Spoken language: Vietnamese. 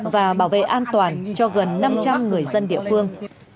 và bảo vệ an toàn cho gần năm trăm linh người dân địa phương